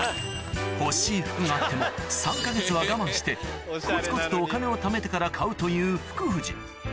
欲しい服があっても３か月は我慢してコツコツとお金をためてから買うという福藤